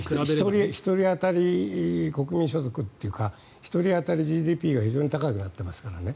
１人当たり国民所得というか１人当たりＧＤＰが非常に高くなっていますからね。